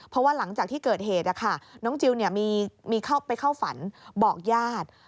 เพราะว่าหลังจากที่เกิดเหตุน้องจิลไปเข้าฝันบอกญาติ